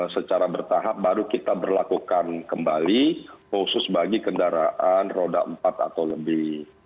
secara bertahap baru kita berlakukan kembali khusus bagi kendaraan roda empat atau lebih